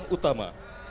dan untuk pimpinan utama